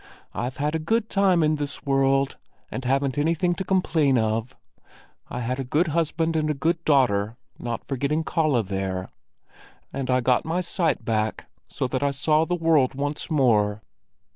I've had a good time in this world, and haven't anything to complain of. I had a good husband and a good daughter, not forgetting Kalle there. And I got my sight back, so that I saw the world once more."